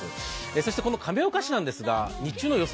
そしてこの亀岡市なんですが、日中の予想